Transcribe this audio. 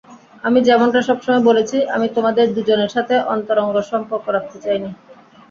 আমি যেমনটা সবসময় বলেছি, আমি তোমাদের দুজনের সাথে অন্তরঙ্গ সম্পর্ক রাখতে চাইনি।